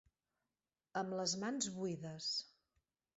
Amb les mans buides.